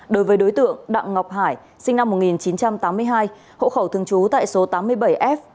đối với đối tượng đặng ngọc hải sinh năm một nghìn chín trăm tám mươi hai hộ khẩu thường trú tại số tám mươi bảy f